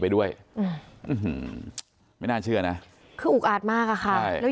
ไปด้วยอืมไม่น่าเชื่อนะคืออุกอาดมากอ่ะค่ะใช่แล้ว